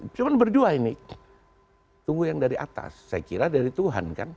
cuma berdua ini tunggu yang dari atas saya kira dari tuhan kan